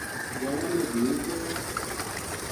جنا نے بھی کہیو